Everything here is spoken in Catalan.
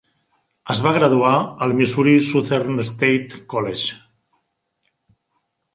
Es va graduar al Missouri Southern State College.